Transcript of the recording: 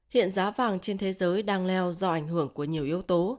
hiện giá vàng trên thế giới đang leo do ảnh hưởng của nhiều yếu tố